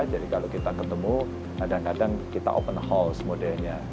jadi kalau kita ketemu kadang kadang kita open house modelnya